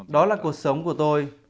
đó là cuộc sống của tôi